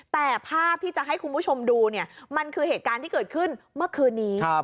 แต่ภาพที่จะให้คุณผู้ชมดูเนี่ยมันคือเหตุการณ์ที่เกิดขึ้นเมื่อคืนนี้